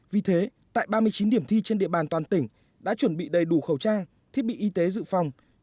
vì thế tại ba mươi chín điểm thi trên địa bàn toàn tỉnh đã chuẩn bị đầy đủ khẩu trang thiết bị y tế dự phòng